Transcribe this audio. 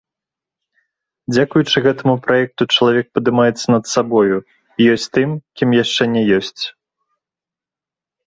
Дзякуючы гэтаму праекту чалавек падымаецца над сабою, ёсць тым, кім яшчэ не ёсць.